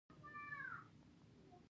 واسطه کول څه پایله لري؟